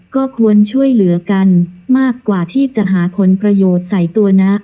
ก็ควรช่วยเหลือกันมากกว่าที่จะหาผลประโยชน์ใส่ตัวนะ